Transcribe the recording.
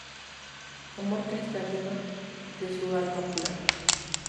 Amor cristalino de su alma pura.